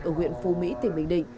ở huyện phu mỹ tỉnh bình định